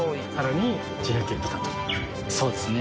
そうですね。